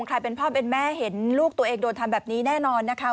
ใครเป็นพ่อเป็นแม่เห็นลูกตัวเองโดนทำแบบนี้แน่นอนนะคะ